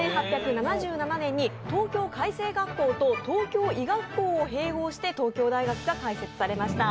１８７７年に東京開成学校と東京医学校を併合して東京大学が開設されました。